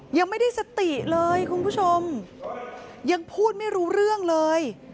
ยังไม่ได้สติเลยคุณผู้ชมยังพูดไม่รู้เรื่องเลย